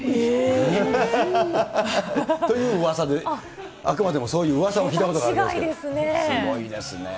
えー！といううわさで、あくまでもそういううわさを聞いたことがあすごいですね。